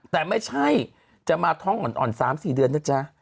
แต่ไม่ใช่จะมาท้องอ่อน๓๔เดือนนะจ๊ะ